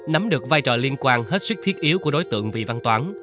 nắm được vai trò liên quan hết sức thiết yếu của đối tượng vị văn toán